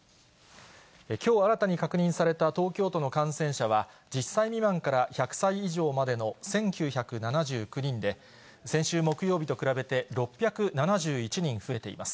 きょう新たに確認された東京都の感染者は、１０歳未満から１００歳以上までの１９７９人で、先週木曜日と比べて６７１人増えています。